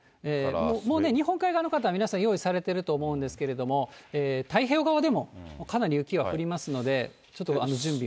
もう日本海側の方は皆さん用意されてると思うんですけども、太平洋側でもかなり雪が降りますので、ちょっと準備を。